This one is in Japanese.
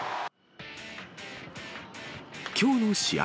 きょうの試合